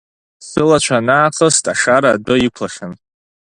Сылацәа анаахыст, ашара адәы иқәлахьан.